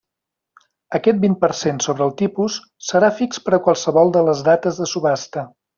Aquest vint per cent sobre el tipus serà fix per a qualsevol de les dates de subhasta.